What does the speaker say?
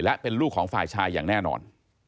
และเป็นลูกของฝ่ายชายอย่างแน่นอน